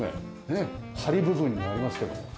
ねえ梁部分にありますけども。